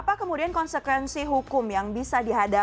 apa kemudian konsekuensi hukum yang diberikan oleh pemerintah